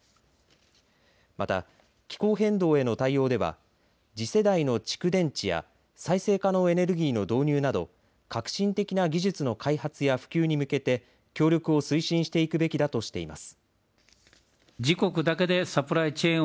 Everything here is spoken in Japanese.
また、気候変動への対応では次世代の蓄電池や再生可能エネルギーの導入など革新的な技術の開発や普及に向けて協力を推進していくべきだとしています。